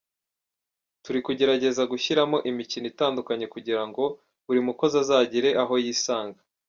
Turi kugerageza gushyiramo imikino itandukanye kugira ngo buri mukozi azagire aho yisanga.